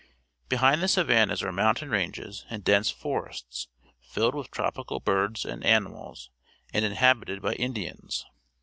Behind the savannas are mountain ranges and dense forests filled with tropical birds and animals and inhabited by Indians.